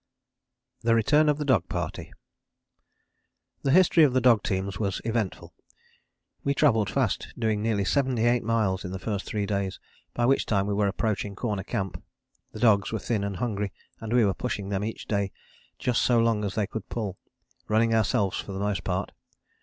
THE RETURN OF THE DOG PARTY The history of the dog teams was eventful. We travelled fast, doing nearly 78 miles in the first three days, by which time we were approaching Corner Camp. The dogs were thin and hungry and we were pushing them each day just so long as they could pull, running ourselves for the most part.